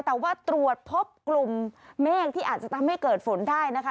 แต่ว่าตรวจพบกลุ่มเมฆที่อาจจะทำให้เกิดฝนได้นะคะ